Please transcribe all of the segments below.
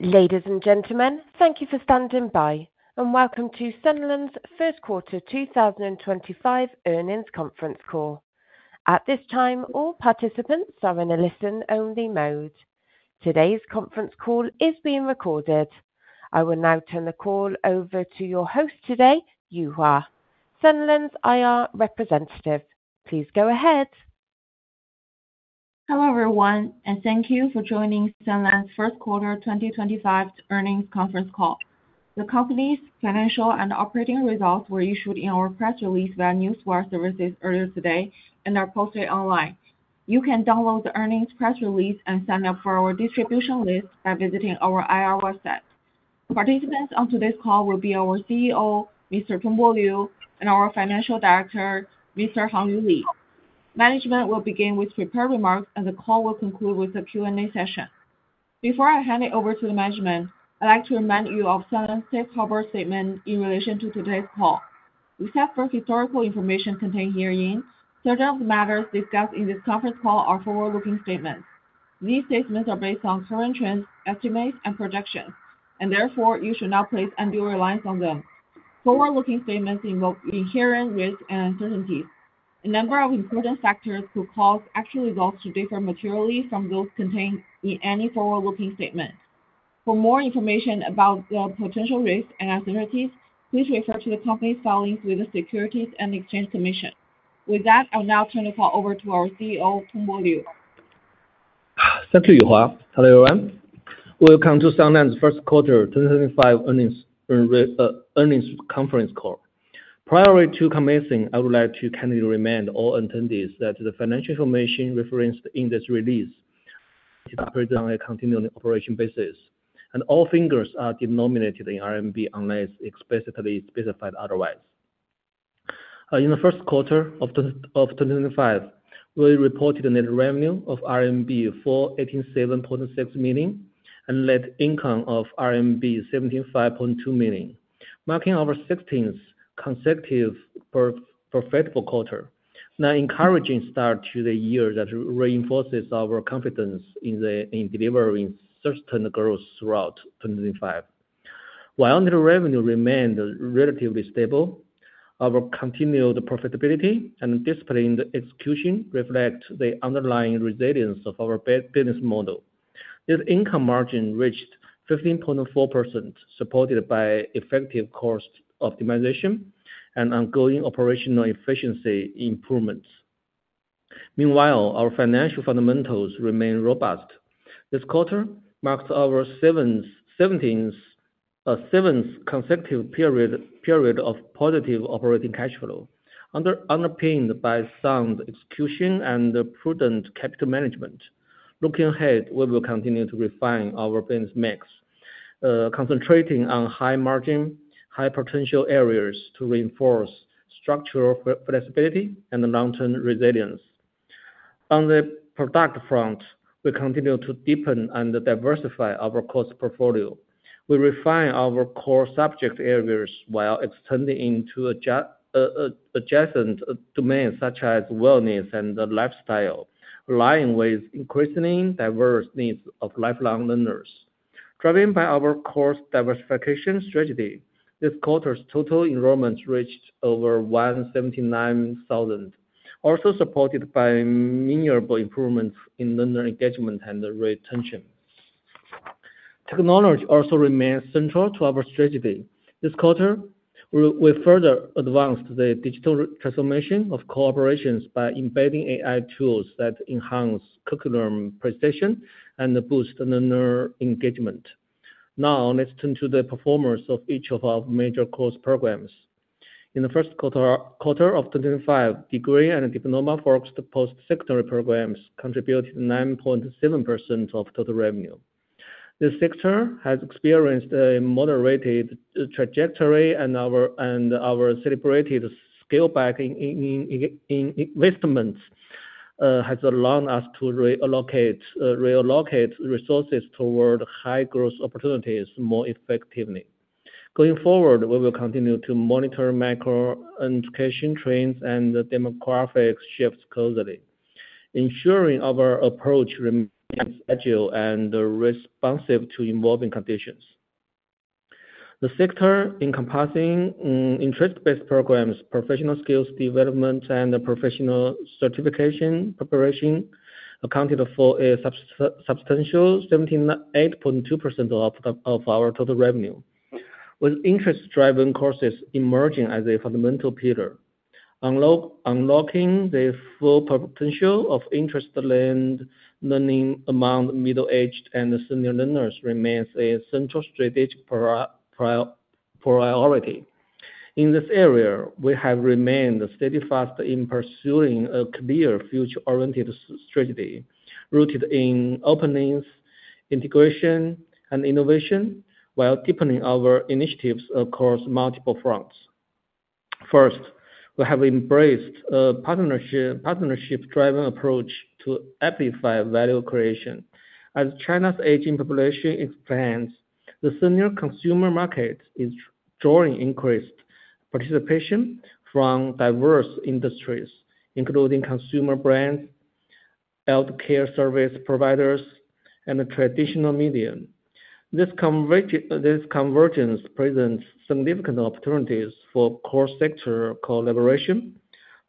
Ladies and gentlemen, thank you for standing by, and welcome to Sunlands' first quarter 2025 earnings conference call. At this time, all participants are in a listen-only mode. Today's conference call is being recorded. I will now turn the call over to your host today, Yuhua, Sunlands' IR representative. Please go ahead. Hello everyone, and thank you for joining Sunlands Technology Group's first quarter 2025 earnings conference call. The company's financial and operating results were issued in our press release via NewsWire Services earlier today and are posted online. You can download the earnings press release and sign up for our distribution list by visiting our IR website. Participants on today's call will be our CEO, Mr. Tongbo Liu, and our Financial Director, Mr. Hangyu Li. Management will begin with prepared remarks, and the call will conclude with a Q&A session. Before I hand it over to the management, I'd like to remind you of Sunlands Technology Group's safe harbor statement in relation to today's call. Except for historical information contained herein, certain matters discussed in this conference call are forward-looking statements. These statements are based on current trends, estimates, and projections, and therefore you should not place undue reliance on them. Forward-looking statements involve inherent risks and uncertainties. A number of important factors could cause actual results to differ materially from those contained in any forward-looking statement. For more information about the potential risks and uncertainties, please refer to the company's filings with the Securities and Exchange Commission. With that, I will now turn the call over to our CEO, Tongbo Liu. Thank you, Yuhua. Hello everyone. Welcome to Sunlands Technology Group's first quarter 2025 earnings conference call. Prior to commencing, I would like to kindly remind all attendees that the financial information referenced in this release is operated on a continuing operation basis, and all figures are denominated in RMB unless explicitly specified otherwise. In the first quarter of 2025, we reported net revenue of 87.6 million RMB and net income of RMB 75.2 million, marking our 16th consecutive profitable quarter, an encouraging start to the year that reinforces our confidence in delivering certain growth throughout 2025. While net revenue remained relatively stable, our continued profitability and disciplined execution reflect the underlying resilience of our business model. The income margin reached 15.4%, supported by effective cost optimization and ongoing operational efficiency improvements. Meanwhile, our financial fundamentals remain robust. This quarter marked our seventh consecutive period of positive operating cash flow, underpinned by sound execution and prudent capital management. Looking ahead, we will continue to refine our business mix, concentrating on high-margin, high-potential areas to reinforce structural flexibility and long-term resilience. On the product front, we continue to deepen and diversify our course portfolio. We refine our core subject areas while extending into adjacent domains such as wellness and lifestyle, aligning with increasingly diverse needs of lifelong learners. Driven by our core diversification strategy, this quarter's total enrollments reached over 179,000, also supported by measurable improvements in learner engagement and retention. Technology also remains central to our strategy. This quarter, we further advanced the digital transformation of operations by embedding AI tools that enhance curriculum precision and boost learner engagement. Now, let's turn to the performance of each of our major course programs. In the first quarter of 2025, degree and diploma-oriented post-secondary courses contributed 9.7% of total revenue. The sector has experienced a moderated trajectory, and our celebrated scale-back investment has allowed us to reallocate resources toward high-growth opportunities more effectively. Going forward, we will continue to monitor macro-education trends and demographic shifts closely, ensuring our approach remains agile and responsive to evolving conditions. The sector, encompassing interest-based programs, professional skills development, and professional certification exam preparation, accounted for a substantial 78.2% of our total revenue, with interest-driven courses emerging as a fundamental pillar. Unlocking the full potential of interest-linked learning among middle-aged and senior learners remains a central strategic priority. In this area, we have remained steadfast in pursuing a clear future-oriented strategy rooted in openings, integration, and innovation, while deepening our initiatives across multiple fronts. First, we have embraced a partnership-driven approach to amplify value creation. As China's aging population expands, the senior consumer market is drawing increased participation from diverse industries, including consumer brands, healthcare service providers, and traditional media. This convergence presents significant opportunities for core sector collaboration.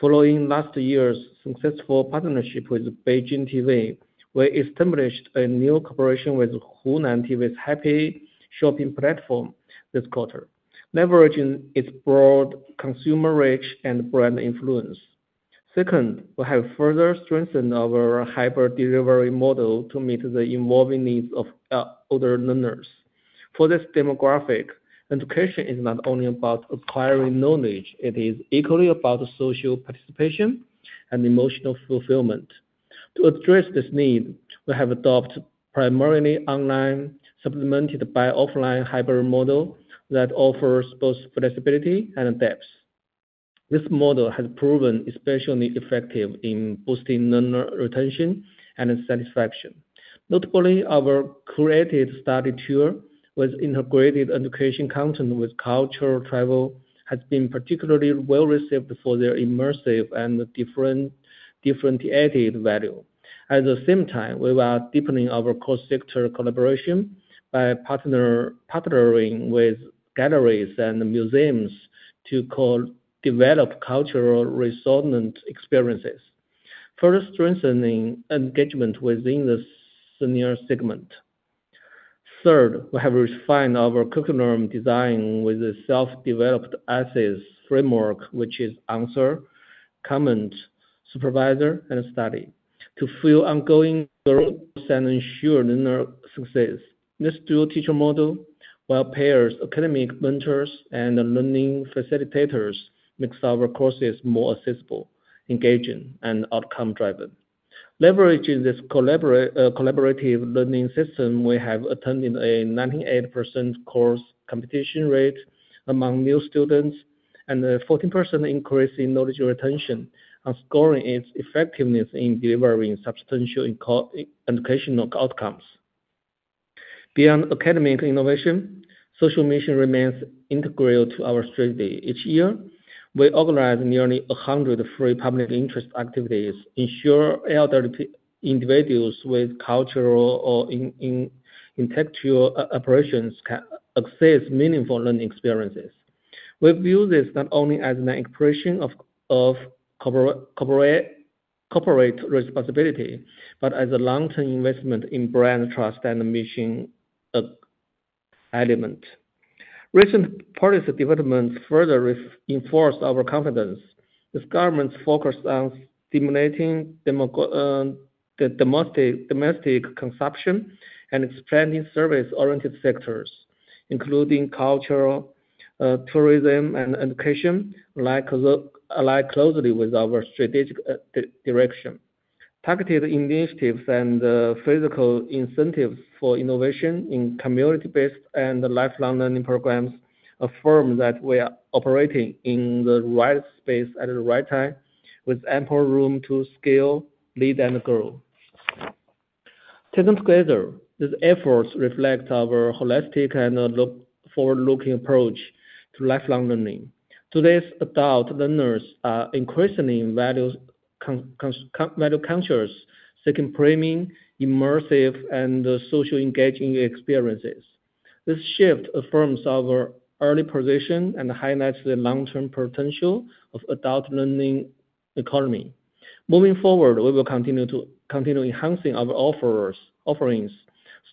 Following last year's successful partnership with Beijing TV, we established a new cooperation with Hunan TV's Happy Shopping platform this quarter, leveraging its broad consumer reach and brand influence. Second, we have further strengthened our hybrid delivery model to meet the evolving needs of older learners. For this demographic, education is not only about acquiring knowledge; it is equally about social participation and emotional fulfillment. To address this need, we have adopted a primarily online, supplemented by offline hybrid model that offers both flexibility and depth. This model has proven especially effective in boosting learner retention and satisfaction. Notably, our curated study tour, with integrated educational content with cultural travel, has been particularly well received for their immersive and differentiated value. At the same time, we are deepening our core sector collaboration by partnering with galleries and museums to develop culturally resonant experiences, further strengthening engagement within the senior segment. Third, we have refined our curriculum design with a self-developed assess framework, which is Answer, Comment, Supervisor, and Study, to fuel ongoing growth and ensure learner success. This dual-teacher model, while pairs academic mentors and learning facilitators, makes our courses more accessible, engaging, and outcome-driven. Leveraging this collaborative learning system, we have attained a 98% course completion rate among new students and a 14% increase in knowledge retention, scoring its effectiveness in delivering substantial educational outcomes. Beyond academic innovation, social mission remains integral to our strategy. Each year, we organize nearly 100 free public interest activities, ensuring elderly individuals with cultural or intellectual operations can access meaningful learning experiences. We view this not only as an expression of corporate responsibility but as a long-term investment in brand trust and mission element. Recent policy developments further reinforce our confidence. This government's focus on stimulating domestic consumption and expanding service-oriented sectors, including cultural tourism and education, lies closely with our strategic direction. Targeted initiatives and fiscal incentives for innovation in community-based and lifelong learning programs affirm that we are operating in the right space at the right time, with ample room to scale, lead, and grow. Taken together, these efforts reflect our holistic and forward-looking approach to lifelong learning. Today's adult learners are increasingly value cultures, seeking premium, immersive, and socially engaging experiences. This shift affirms our early position and highlights the long-term potential of the adult learning economy. Moving forward, we will continue enhancing our offerings,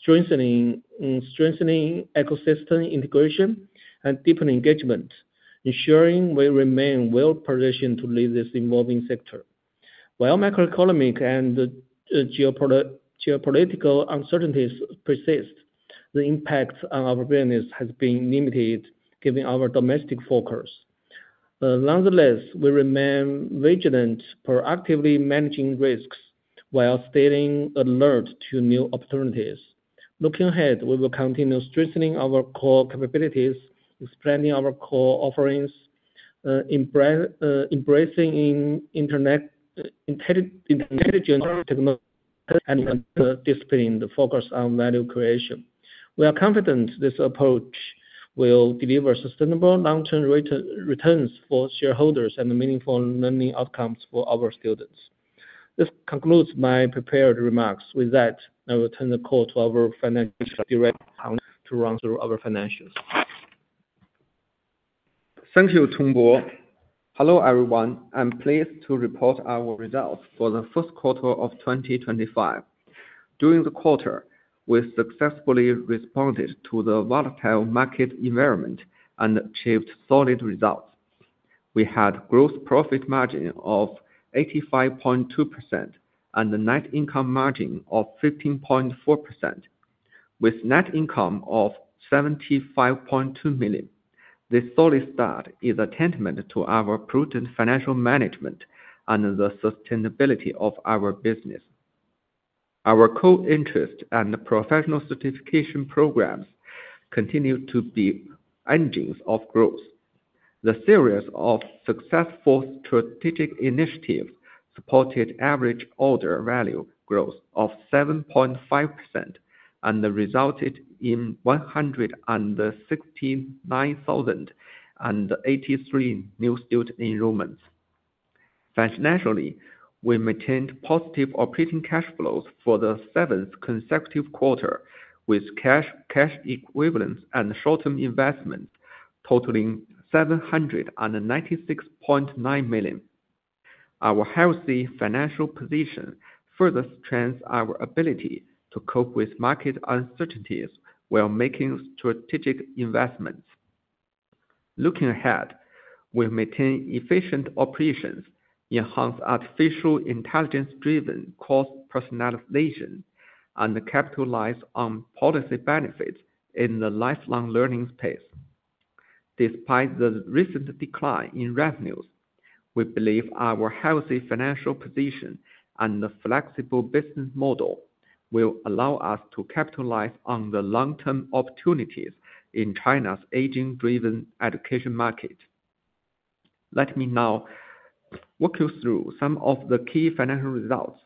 strengthening ecosystem integration, and deepening engagement, ensuring we remain well-positioned to lead this evolving sector. While macroeconomic and geopolitical uncertainties persist, the impact on our business has been limited, given our domestic focus. Nonetheless, we remain vigilant, proactively managing risks while staying alert to new opportunities. Looking ahead, we will continue strengthening our core capabilities, expanding our core offerings, embracing intelligent technology and disciplined focus on value creation. We are confident this approach will deliver sustainable long-term returns for shareholders and meaningful learning outcomes for our students. This concludes my prepared remarks. With that, I will turn the call to our Financial Director to run through our financials. Thank you, Tongbo Li. Hello everyone. I'm pleased to report our results for the first quarter of 2025. During the quarter, we successfully responded to the volatile market environment and achieved solid results. We had a gross profit margin of 85.2% and a net income margin of 15.4%, with net income of 75.2 million. This solid start is a testament to our prudent financial management and the sustainability of our business. Our core interests and professional certification programs continue to be engines of growth. The series of successful strategic initiatives supported average order value growth of 7.5% and resulted in 169,083 new student enrollments. Financially, we maintained positive operating cash flows for the seventh consecutive quarter, with cash equivalents and short-term investments totaling 796.9 million. Our healthy financial position further strengthens our ability to cope with market uncertainties while making strategic investments. Looking ahead, we maintain efficient operations, enhance artificial intelligence-driven course personalization, and capitalize on policy benefits in the lifelong learning space. Despite the recent decline in revenues, we believe our healthy financial position and the flexible business model will allow us to capitalize on the long-term opportunities in China's aging-driven education market. Let me now walk you through some of the key financial results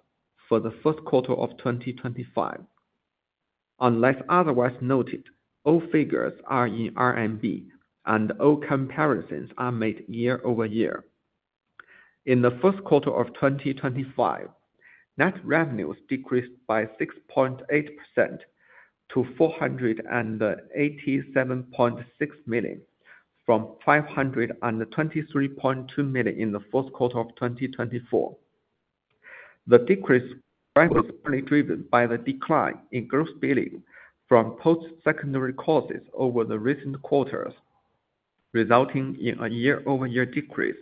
for the first quarter of 2025. Unless otherwise noted, all figures are in RMB, and all comparisons are made year over year. In the first quarter of 2025, net revenues decreased by 6.8% to 487.6 million, from 523.2 million in the first quarter of 2024. The decrease is primarily driven by the decline in gross billing from post-secondary courses over the recent quarters, resulting in a year-over-year decrease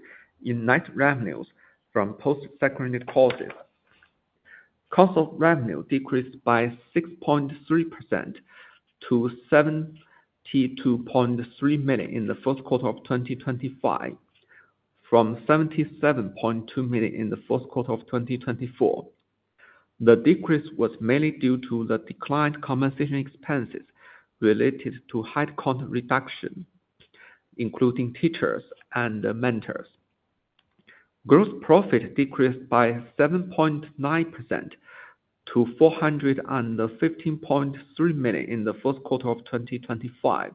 in net revenues from post-secondary courses. Cost of revenue decreased by 6.3% to 72.3 million in the first quarter of 2025, from 77.2 million in the first quarter of 2024. The decrease was mainly due to the declined compensation expenses related to high-cost reduction, including teachers and mentors. Gross profit decreased by 7.9% to 415.3 million in the first quarter of 2025,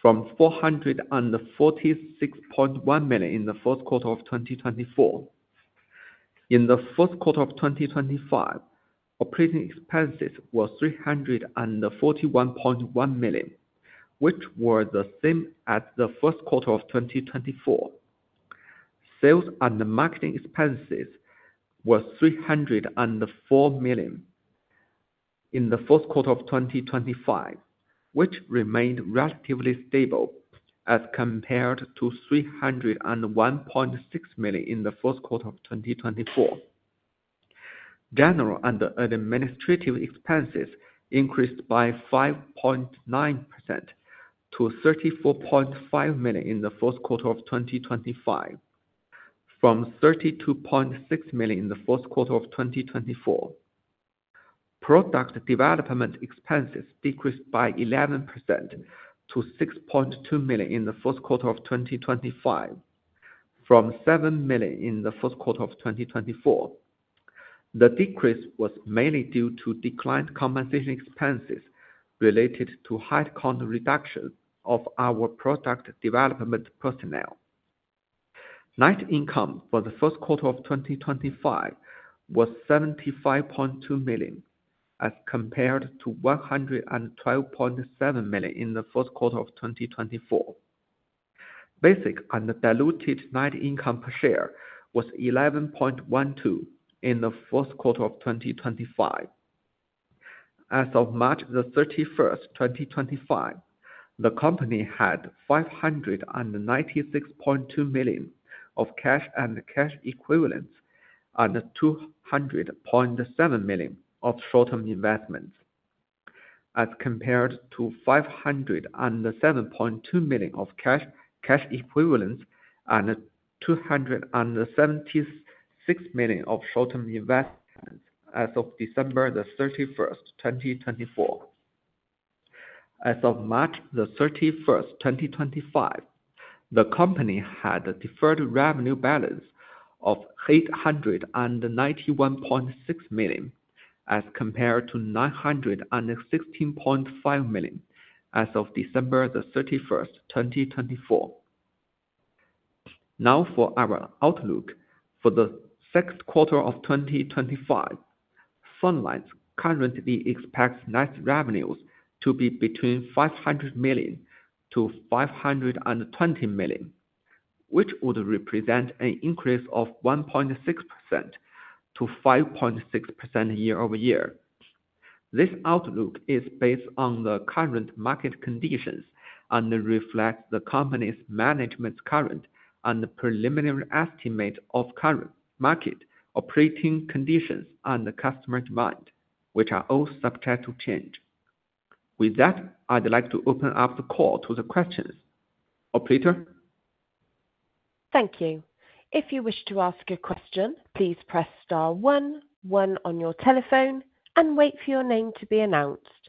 from 446.1 million in the first quarter of 2024. In the first quarter of 2025, operating expenses were 341.1 million, which were the same as the first quarter of 2024. Sales and marketing expenses were 304 million in the first quarter of 2025, which remained relatively stable as compared to 301.6 million in the first quarter of 2024. General and administrative expenses increased by 5.9% to 34.5 million in the first quarter of 2025, from 32.6 million in the first quarter of 2024. Product development expenses decreased by 11% to 6.2 million in the first quarter of 2025, from 7 million in the first quarter of 2024. The decrease was mainly due to declined compensation expenses related to high-cost reduction of our product development personnel. Net income for the first quarter of 2025 was 75.2 million as compared to 112.7 million in the first quarter of 2024. Basic and diluted net income per share was 11.12 in the first quarter of 2025. As of March 31, 2025, the company had 596.2 million of cash and cash equivalents and 200.7 million of short-term investments, as compared to 507.2 million of cash equivalents and 276 million of short-term investments as of December 31, 2024. As of March 31, 2025, the company had a deferred revenue balance of 891.6 million as compared to 916.5 million as of December 31, 2024. Now, for our outlook for the sixth quarter of 2025, Sunlands currently expects net revenues to be between 500 million-520 million, which would represent an increase of 1.6%-5.6% year-over-year. This outlook is based on the current market conditions and reflects the company's management's current and preliminary estimate of current market operating conditions and customer demand, which are all subject to change. With that, I'd like to open up the call to the questions. Operator? Thank you. If you wish to ask a question, please press star one, one on your telephone, and wait for your name to be announced.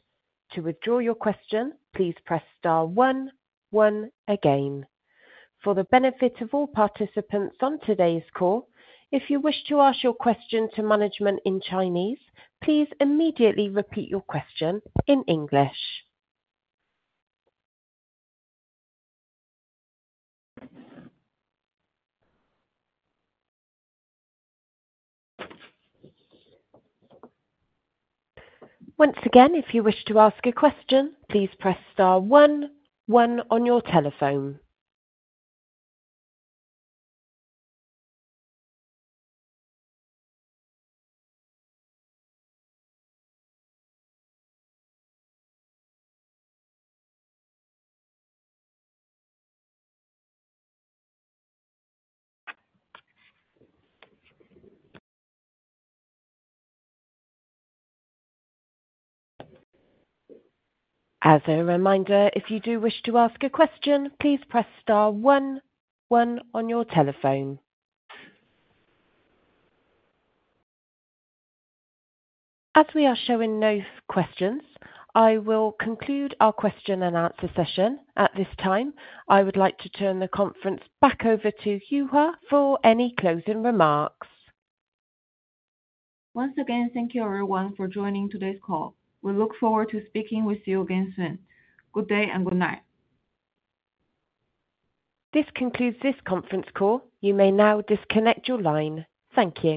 To withdraw your question, please press star one, one again. For the benefit of all participants on today's call, if you wish to ask your question to management in Chinese, please immediately repeat your question in English. Once again, if you wish to ask a question, please press star one, one on your telephone. As a reminder, if you do wish to ask a question, please press star one, one on your telephone. As we are showing no questions, I will conclude our question and answer session. At this time, I would like to turn the conference back over to Yuhua for any closing remarks. Once again, thank you everyone for joining today's call. We look forward to speaking with you again soon. Good day and good night. This concludes this conference call. You may now disconnect your line. Thank you.